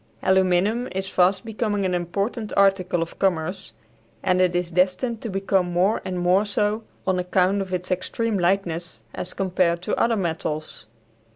Aluminum is fast becoming an important article of commerce, and it is destined to become more and more so on account of its extreme lightness as compared to other metals.